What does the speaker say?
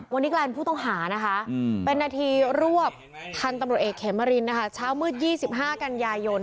วันนี้ก่อนพูดต้องหาร่วมเป็นนาทีรวบทศตำรวจเอกเคมมรินชาวมืด๒๕กันยายน